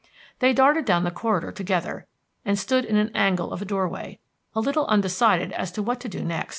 They darted down the corridor together, and stood in an angle of a doorway, a little undecided as to what to do next.